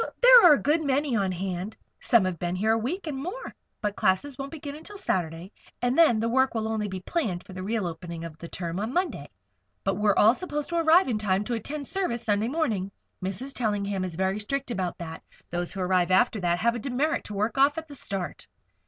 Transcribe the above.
"There are a good many on hand. Some have been here a week and more. But classes won't begin until Saturday, and then the work will only be planned for the real opening of the term on Monday. But we're all supposed to arrive in time to attend service Sunday morning. Mrs. Tellingham is very strict about that. Those who arrive after that have a demerit to work off at the start."